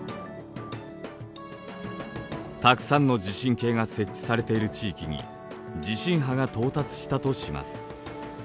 たくさんの地震計が設置されている地域に地震波が到達したとします。